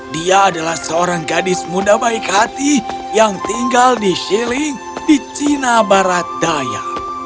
dia adalah seorang gadis muda baik hati yang tinggal di shilling di cina barat daya